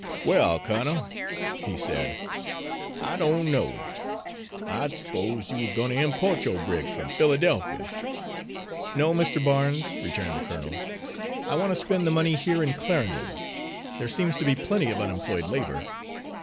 "Well, colonel," he said, "I don't know. I'd s'posed you were goin' to impo't yo' bricks from Philadelphia." "No, Mr. Barnes," returned the colonel, "I want to spend the money here in Clarendon. There seems to be plenty of unemployed labour."